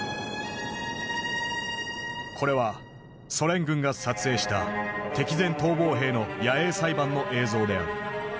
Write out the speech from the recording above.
これはソ連軍が撮影した敵前逃亡兵の野営裁判の映像である。